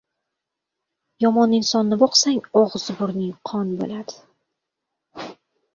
yomon insonni boqsang og‘zi-burning qon bo‘ladi.